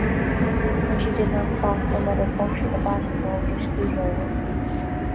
When she did not stop, her mother punctured the basketball with a screwdriver.